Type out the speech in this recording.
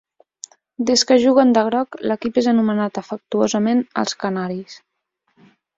Des que juguen de groc, l'equip és anomenat afectuosament "els canaris".